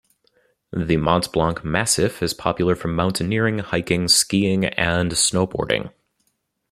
The Mont Blanc massif is popular for mountaineering, hiking, skiing, and snowboarding.